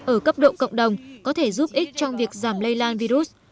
ở cấp độ cộng đồng có thể giúp ích trong việc giảm lây lan virus